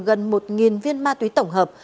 gần một viên ma túy tổng hợp